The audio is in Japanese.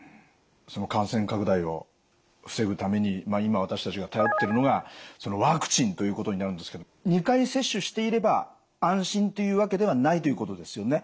その感染拡大を防ぐために今私たちが頼ってるのがワクチンということになるんですけど２回接種していれば安心というわけではないということですよね？